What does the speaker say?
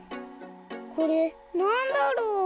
これなんだろう？